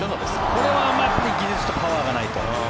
これは技術とパワーがないと。